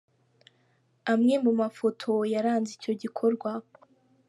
Amwe mu mafoto yaranze icyo gikorwa.